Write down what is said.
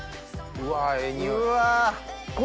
うわ！